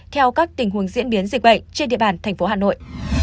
theo các tình huống diễn biến dịch bệnh trên địa bàn thành phố hà nội